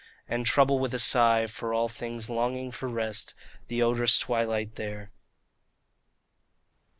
And trouble with a sigh for all things long ing for rest The odorous twilight there.